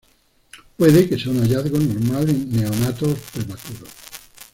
Puede que sea un hallazgo normal en neonatos prematuros.